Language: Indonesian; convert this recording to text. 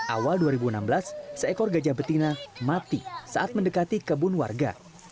awal dua ribu enam belas seekor gajah betina mati saat mendekati kebun warga